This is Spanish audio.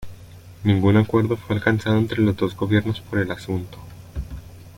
Ningún acuerdo fue alcanzado entre los dos gobiernos por el asunto.